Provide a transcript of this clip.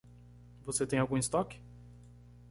Você tem algum estoque?